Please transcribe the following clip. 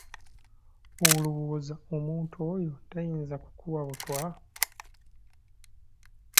Olowooza omuntu oyo tayinza kukuwa obutwa?